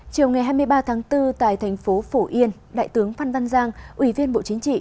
chiều ngày hai mươi ba tháng bốn tại thành phố phổ yên đại tướng phan văn giang ủy viên bộ chính trị